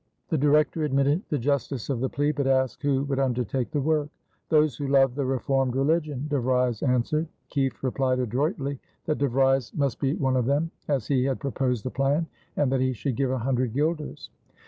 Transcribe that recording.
The Director admitted the justice of the plea but asked who would undertake the work. "Those who love the Reformed Religion," De Vries answered. Kieft replied adroitly that De Vries must be one of them, as he had proposed the plan, and that he should give a hundred guilders.